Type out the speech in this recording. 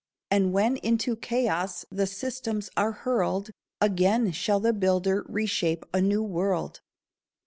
And when into chaos the systems are hurled, Again shall the Builder reshape a new world.